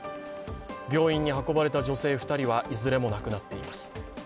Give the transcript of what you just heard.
病院に運ばれた女性２人はいずれも亡くなっています。